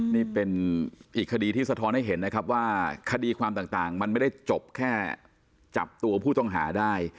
นี่เป็นอีกคดีที่สะท้อนให้เห็นนะครับว่าคดีความต่างมันไม่ได้จบแค่จับตัวผู้ต้องหาได้